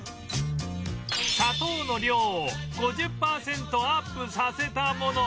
砂糖の量を５０パーセントアップさせたものも